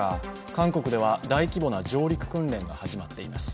韓国では大規模な上陸訓練が始まっています。